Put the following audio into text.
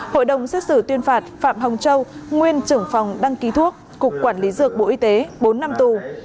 hội đồng xét xử tuyên phạt phạm hồng châu nguyên trưởng phòng đăng ký thuốc cục quản lý dược bộ y tế bốn năm tù